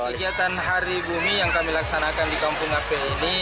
kegiatan hari bumi yang kami laksanakan di kampung ape ini